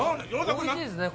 おいしいっすね